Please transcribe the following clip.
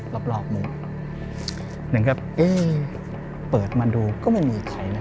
รอบรอบมุมหนึ่งครับเอ๊ะเปิดมาดูก็ไม่มีใครนะ